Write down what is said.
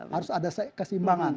harus ada kesimbangan